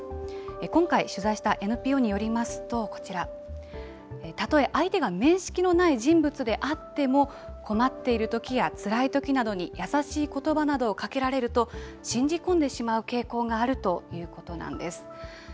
今回、取材したＮＰＯによりますと、こちら、たとえ相手が面識のない人物であっても、困っているときやつらいときなどに優しいことばなどをかけられると、信じ込んでしまう傾向があるということなんです。